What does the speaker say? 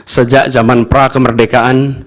sejak zaman pra kemerdekaan